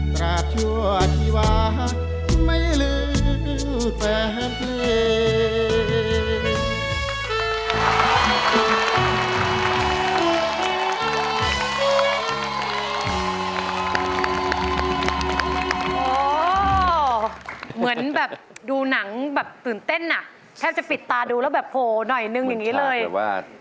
ขอต้องเชื่อใจไว้แทบว่า